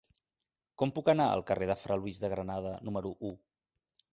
Com puc anar al carrer de Fra Luis de Granada número u?